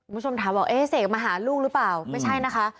คุณผู้ชมถามบอกเอ๊ะเสกมาหาลูกหรือเปล่าไม่ใช่นะคะ